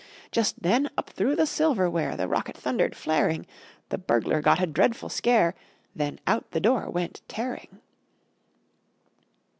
Just then, up through the silverware The rocket thundered, flaring! The Burglar got a dreadful scare; Then out the door went tearing.